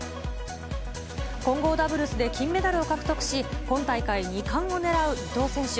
混合ダブルスで金メダルを獲得し、今大会２冠を狙う伊藤選手。